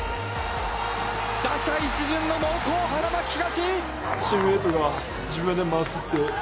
打者一巡の猛攻、花巻東。